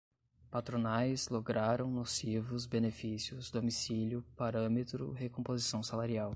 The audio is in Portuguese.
patronais, lograram, nocivos, benefícios, domicílio, parâmetro, recomposição salarial